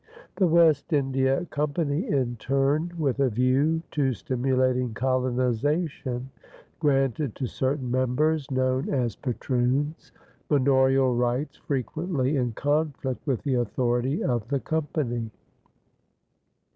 The West India Company in turn, with a view to stimulating colonization, granted to certain members known as patroons manorial rights frequently in conflict with the authority of the Company.